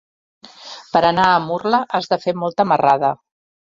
Per anar a Murla has de fer molta marrada.